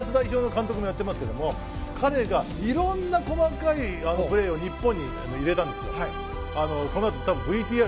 フランス代表の監督もやっていますけど彼がいろんな細かいプレーを日本に入れたんです。